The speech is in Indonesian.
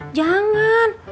hah eh jangan